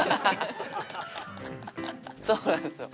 そうなんですよ。